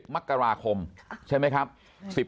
มกราคมใช่ไหมครับ